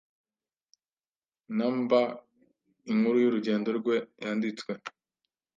numberInkuru y'urugendo rwe yanditswe